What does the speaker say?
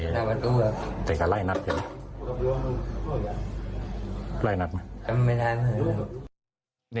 จนก็ไล่หนัดกัน